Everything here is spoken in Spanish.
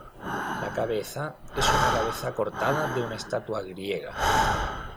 La cabeza es una cabeza cortada de una estatua griega.